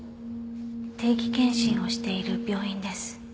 定期健診をしている病院です。